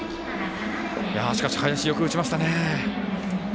しかし、林、よく打ちましたね。